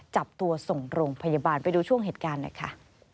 จับตัวส่งโรงพยาบาลไปดูช่วงเหตุการณ์หน่อยค่ะ